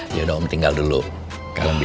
dia juga pasti akan melunak sama kamu